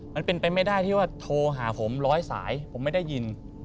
มันเป็นไปไม่ได้ที่ว่าโทรหาผมร้อยสายผมไม่ได้ยิน